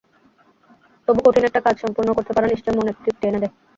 তবু কঠিন একটা কাজ সম্পূর্ণ করতে পারা নিশ্চয় মনে তৃপ্তি এনে দেয়।